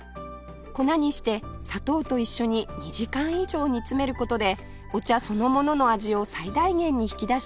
粉にして砂糖と一緒に２時間以上煮詰める事でお茶そのものの味を最大限に引き出しています